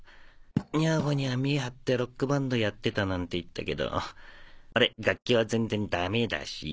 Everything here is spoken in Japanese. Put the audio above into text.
女房には見栄張ってロックバンドやってたなんて言ったけどオレ楽器は全然ダメだし。